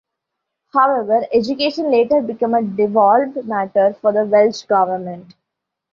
However, education later became a devolved matter for the Welsh government.